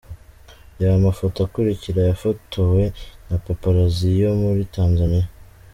Reba amafoto akurikira yafotowe na Paparazzi yo muri Tanzania :.